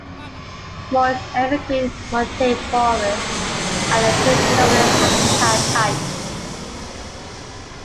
Moist evergreen montane forests are the predominant habitat type.